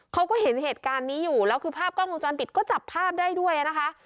เขาก็เห็นเหตุการณ์นี้อยู่แล้วคือภาพกล้องวงจรปิดก็จับภาพได้ด้วยนะคะ